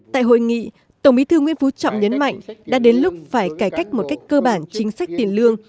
tại hội nghị tổng bí thư nguyễn phú trọng nhấn mạnh đã đến lúc phải cải cách một cách cơ bản chính sách tiền lương